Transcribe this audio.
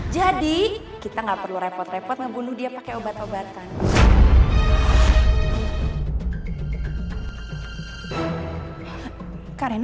jadi kita gak perlu repot repot ngebunuh dia pakai obat obatan